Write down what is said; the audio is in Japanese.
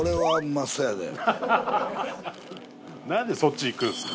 何でそっちいくんすか。